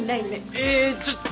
えちょっ。